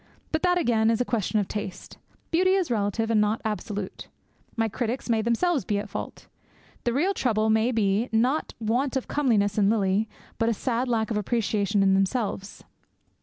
But that, again, is all a question of taste. Beauty is relative and not absolute. My critics may themselves be at fault. The real trouble may be, not want of comeliness in Lily, but a sad lack of appreciation in themselves.